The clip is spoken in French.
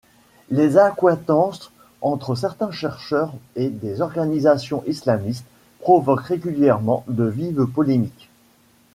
Les accointances entre certains chercheurs et des organisations islamistes provoquent régulièrement de vives polémiques.